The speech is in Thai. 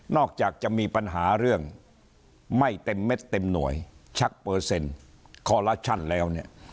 อกจากจะมีปัญหาเรื่องไม่เต็มเม็ดเต็มหน่วยชักเปอร์เซ็นต์คอลลัชชั่นแล้วเนี่ย